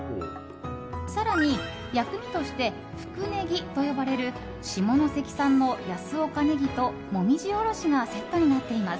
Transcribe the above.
更に薬味として福ネギと呼ばれる下関産の安岡ネギともみじおろしがセットになっています。